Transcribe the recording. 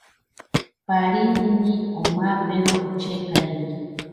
Parinini omapero ochenkariki.